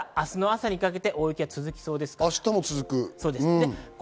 やはりまだまだ明日の朝にかけて大雪が続きそうです。